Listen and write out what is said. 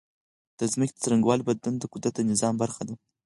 د ځمکې د څرنګوالي بدلون د قدرت د نظام برخه ده.